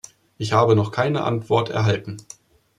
Ich habe noch keine Antwort erhalten.